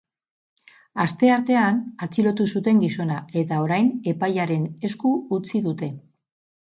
Asteartean atxilotu zuten gizona, eta orain epailearen esku utzi dute.